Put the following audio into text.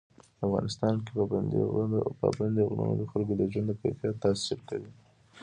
په افغانستان کې پابندی غرونه د خلکو د ژوند په کیفیت تاثیر کوي.